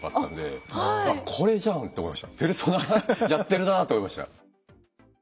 「ペルソナやってるな」と思いました。